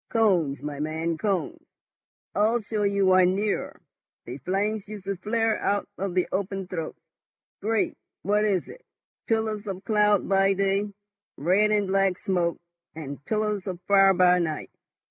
"Cones, my man, cones. I'll show you one nearer. The flames used to flare out of the open throats, great—what is it?—pillars of cloud by day, red and black smoke, and pillars of fire by night.